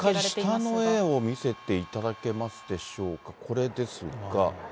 もう一回、下の絵を見せていただけますでしょうか。